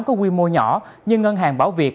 có quy mô nhỏ như ngân hàng bảo việt